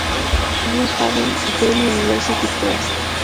New Haven, Yale University Press.